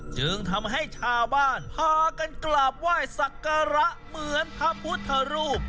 จึงทำให้ชาวบ้านพากันกราบไหว้สักการะเหมือนพระพุทธรูป